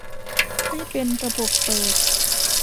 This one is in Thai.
ให้เป็นระบบเปิด